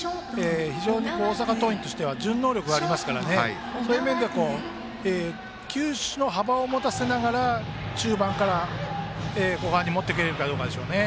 非常に大阪桐蔭としては順応力がありますからそういう面では球種の幅を持たせながら中盤から後半に持っていけるかですね。